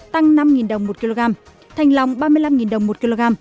tăng năm đồng một kg thành lòng ba mươi năm đồng một kg